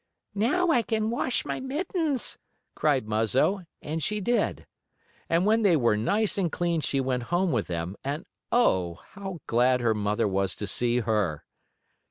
"Now I can wash my mittens!" cried Muzzo, and she did. And when they were nice and clean she went home with them, and oh! how glad her mother was to see her!